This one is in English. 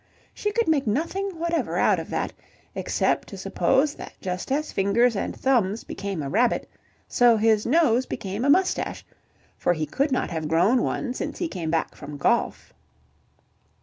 She could make nothing whatever out of that, except to suppose that just as fingers and thumbs became a rabbit, so his nose became a moustache, for he could not have grown one since he came back from golf.